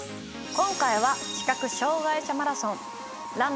今回は視覚障害者マラソン。